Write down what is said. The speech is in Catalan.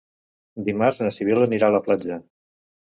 Dimarts na Sibil·la anirà a la platja.